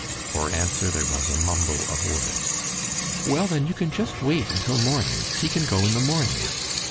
For answer there was a mumble of words. "Well, then, you can just wait until morning. She can go in the morning."